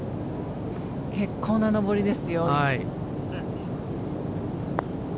結構な上りですよ。